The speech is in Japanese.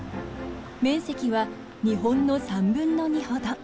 面積は日本の３分の２ほど。